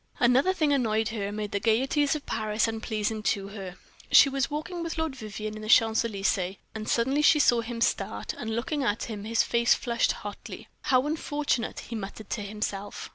Another thing annoyed her and made the gayeties of Paris unpleasing to her. She was walking with Lord Vivianne in the Champs Elysees, and suddenly she saw him start, and looking at him, his face flushed hotly. "How unfortunate!" he muttered to himself.